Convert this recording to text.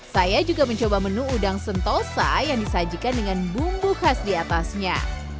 saya juga mencoba menu udang sentosa yang disajikan dengan bumbu khas di atasnya